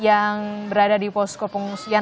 yang berada di posko pengungsian